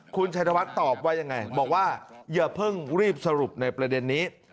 คุณชัยธวัฒน์ตอบว่ายังไงบอกว่าอย่าเพิ่งรีบสรุปในประเด็นนี้